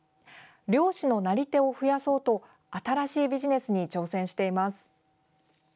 猟師のなり手を増やそうと新しいビジネスに挑戦しています。